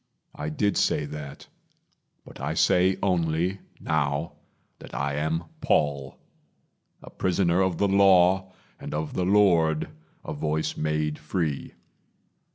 I did say that, But I say only, now, that I am Paul A prisoner of the Law, and of the Lord A voice made free.